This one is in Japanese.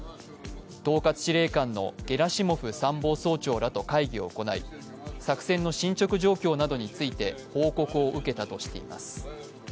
統括司令官のゲラシモフ参謀総長らと会議を行い作戦の進ちょく状況などについて報告を受けたとしています。